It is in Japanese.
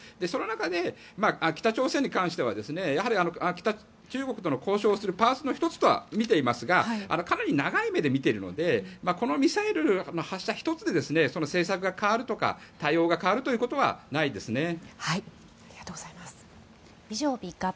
その中で北朝鮮に関してはやはり中国との交渉をするパーツの１つとは見ていますがかなり長い目で見ているのでこのミサイルの発射１つで政策が変わるとか対応が変わるということはないですね。